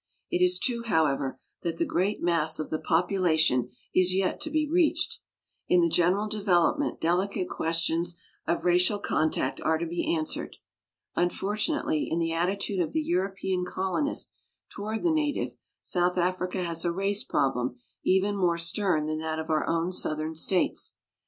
It is true, however, that the great mass of the population is yet to be reached. In the general development delicate ques tions of racial contact are to be answered. Unfortunately, in the attitude of the Euro pean colonist toward the native, South Africa has a race problem even more stern than that of our own Southern states.